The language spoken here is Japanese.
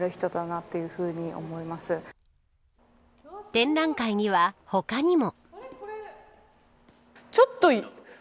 展覧会には他にも。